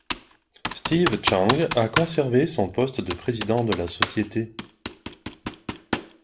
Steve Chang a conservé son poste de président de la société.